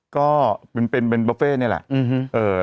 ก็เป็นบุฟเฟ่นี่แหละ